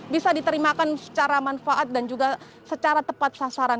bisa diterimakan secara manfaat dan juga secara tepat sasaran